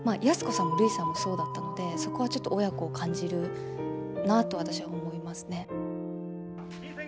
安子さんもるいさんもそうだったのでそこはちょっと親子を感じるなと私は思いますね。